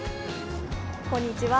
こんにちは。